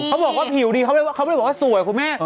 เขาบอกว่าผิวดีเขาไม่ได้บอกว่าสวยคุณแม่